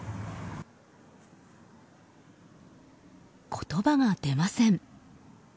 言葉が出ません。